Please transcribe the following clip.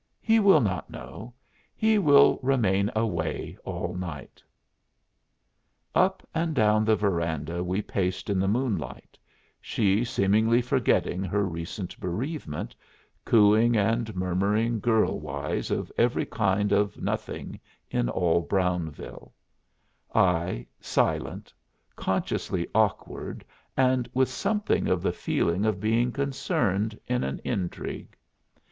He will not know he will remain away all night." Up and down the veranda we paced in the moonlight, she seemingly forgetting her recent bereavement, cooing and murmuring girl wise of every kind of nothing in all Brownville; I silent, consciously awkward and with something of the feeling of being concerned in an intrigue.